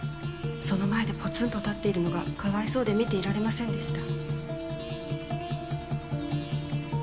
その前でポツンと立っているのが可哀想で見ていられませんでした。